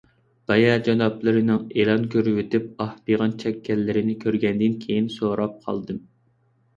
بايا جانابلىرىنىڭ ئېلان كۆرۈۋېتىپ ئاھ - پىغان چەككەنلىكلىرىنى كۆرگەندىن كېيىن سوراپ قالدىم.